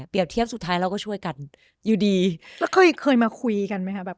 เทียบสุดท้ายเราก็ช่วยกันอยู่ดีแล้วเคยเคยมาคุยกันไหมคะแบบ